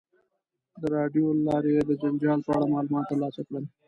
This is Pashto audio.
د راډیو له لارې یې د جنجال په اړه معلومات ترلاسه کړل.